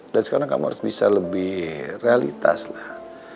dan sekarang kamu harus bisa lebih realitas lah